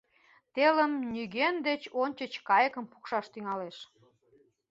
Телым нигӧн деч ончыч кайыкым пукшаш тӱҥалеш.